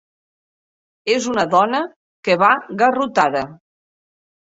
És una dona que va garrotada.